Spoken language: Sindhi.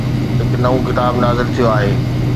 هڪ نئون ڪتاب نازل ٿيو آهي